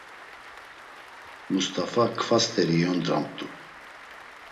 Must̆afa kfa st̆eri iyondramt̆u.